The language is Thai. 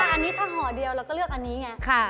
อันนี้ถ้าห่อเดียวเราก็เลือกอันนี้ไง